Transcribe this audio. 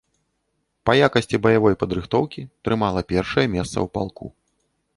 Па якасці баявой падрыхтоўкі трымала першае месца ў палку.